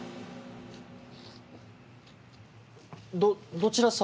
どどちら様？